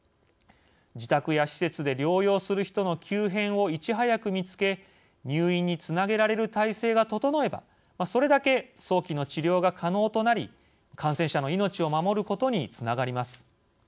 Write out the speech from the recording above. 自宅や施設で療養する人の急変をいち早く見つけ入院につなげられる体制が整えばそれだけ早期の治療が可能となり感染者の命を守ることにつながります。